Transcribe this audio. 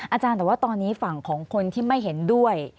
อาจารย์แต่ว่าตอนนี้ฝั่งของคนที่ไม่เห็นด้วย